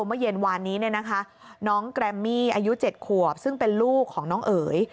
เมื่อเย็นวานนี้เนี่ยนะคะน้องแกรมมี่อายุ๗ขวบซึ่งเป็นลูกของน้องเอ๋ย